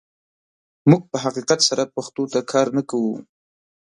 موږ په حقیقت سره پښتو ته کار نه کوو.